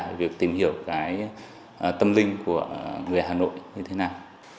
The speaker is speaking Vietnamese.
về việc tìm hiểu cái tâm linh của người hà nội như thế nào